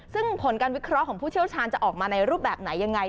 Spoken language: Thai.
ซึ่งผลการวิเคราะห์ของผู้เชี่ยวชาญจะออกมาในรูปแบบไหนยังไง